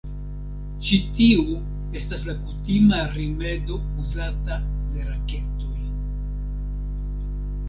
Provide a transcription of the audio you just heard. Ĉi tiu estas la kutima rimedo uzata de raketoj.